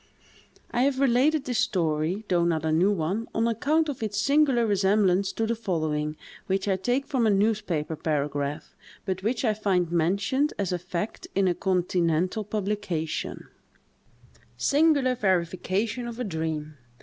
I have related this story, though not a new one, on account of its singular resemblance to the following, which I take from a newspaper paragraph, but which I find mentioned as a fact in a continental publication:— "SINGULAR VERIFICATION OF A DREAM.